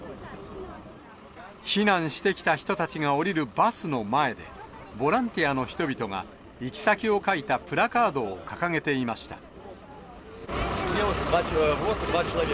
避難してきた人たちが降りるバスの前で、ボランティアの人々が、行き先を書いたプラカードを掲げていました。